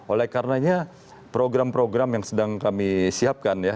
oleh karenanya program program yang sedang kami siapkan ya